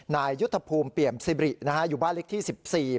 นายยุทธภูมิเปี่ยมซิบรินะฮะอยู่บ้านเล็กที่๑๔